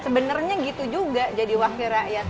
sebenarnya gitu juga jadi wakil rakyat